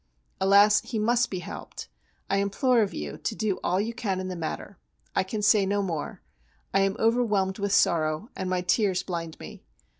Alas! he must be helped. I implore of you to do all you can in the matter. I can say no more. I am overwhelmed with sorrow, and my tears blind me.